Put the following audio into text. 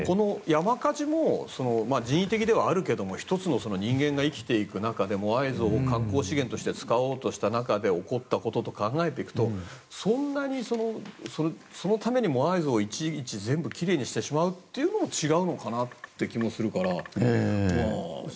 山火事も人為的ではあるけれど１つの人間が生きていく中でモアイ像を観光資源として使おうとした中で起こったことと考えていくとそんなにそのためにモアイ像をいちいち全部きれいにしてしまうのも違うのかなって気もするから。